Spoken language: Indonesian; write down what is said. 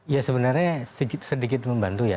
ya sebenarnya sedikit membantu ya